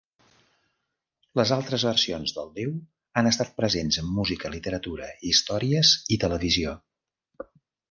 D'altres versions del déu han estat presents en música, literatura, històries i televisió.